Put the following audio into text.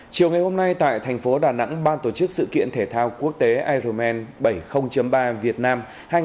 chiều ngày hôm nay tại thành phố đà nẵng ban tổ chức sự kiện thể thao quốc tế ironman bảy mươi ba việt nam hai nghìn hai mươi hai